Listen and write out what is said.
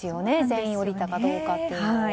全員降りたかどうかを。